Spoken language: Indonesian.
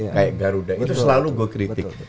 kayak garuda itu selalu gue kritik